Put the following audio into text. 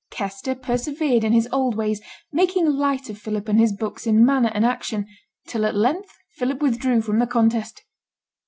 Kester persevered in his old ways, making light of Philip and his books in manner and action, till at length Philip withdrew from the contest.